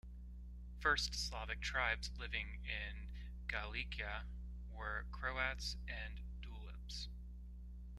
First Slavic tribes living in Galicia were Croats and Dulebs.